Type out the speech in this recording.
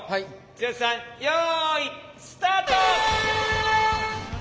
剛さんよいスタート！